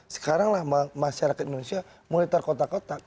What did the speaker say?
sekarang lah masyarakat indonesia mulai terkotak kotak